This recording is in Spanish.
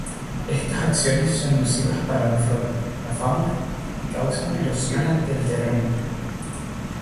Estas acciones son nocivas para la flora, la fauna y causan erosión del terreno.